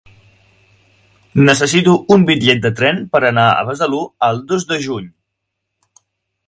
Necessito un bitllet de tren per anar a Besalú el dos de juny.